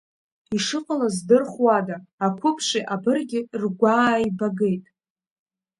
Ишыҟалаз здырхуада, ақәыԥши абырги ргәааибагеит.